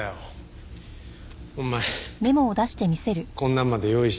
お前こんなのまで用意して。